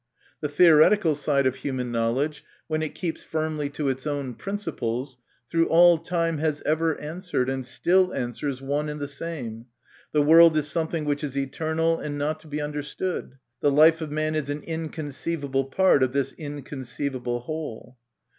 The theoretical side of human knowledge, when it keeps firmly to its own principles, through all time has ever answered and still answers one and the same, " The world is something which is eternal and not to be under stood. The life of man is an inconceivable part of this inconceivable whole."